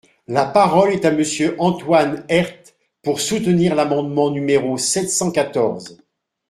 La parole est à Monsieur Antoine Herth, pour soutenir l’amendement numéro sept cent quatorze.